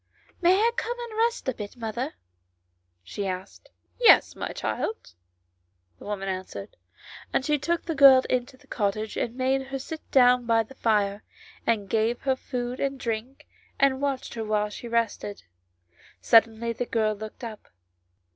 " May I come in and rest a bit, mother ?" she asked. " Yes, my child," the woman answered ; and she took the girl into the cottage and made her sit down by the fire, and gave her food and drink, and watched her while she rested. Suddenly the girl looked up.